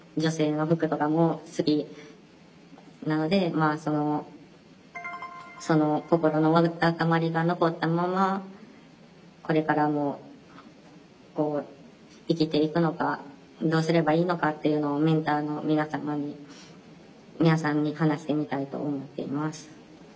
まあそのその心のわだかまりが残ったままこれからも生きていくのかどうすればいいのかっていうのをメンターの皆様に皆さんに話してみたいと思っています。